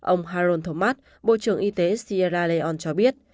ông harold thomas bộ trưởng y tế sierra leone cho biết